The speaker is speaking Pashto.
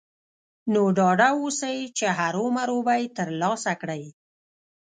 نو ډاډه اوسئ چې هرو مرو به يې ترلاسه کړئ.